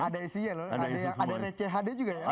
ada isinya loh ada yang ada rchd juga ya